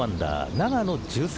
永野１３